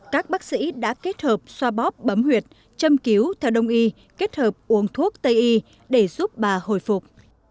các bác sĩ đã kết hợp xoa bóp bấm huyệt châm cứu theo đông y kết hợp uống thuốc tây y để giúp bà hồi phục